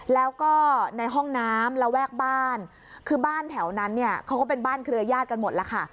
แล้วก็ในห้องน้ำระแวกบ้านคือบ้านแถวนั้นเนี่ยเขาก็เป็นบ้านเครือยาศกันหมดแล้วค่ะ